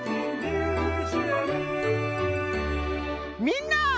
みんな！